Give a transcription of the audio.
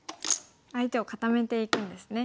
相手を固めていくんですね。